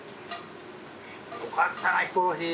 よかったなヒコロヒー。